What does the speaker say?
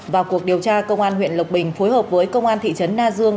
vào cuộc điều tra công an huyện lộc bình phối hợp với công an thị trấn na dương